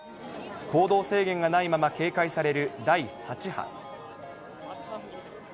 行動制限がないまま警戒される第８波。